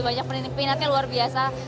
banyak penimpinannya luar biasa